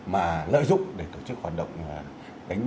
mà lợi dụng để tổ chức hoạt động đánh bạc của cá đội bóng đá